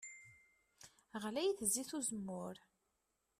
Ɣlayet zzit n uzemmur.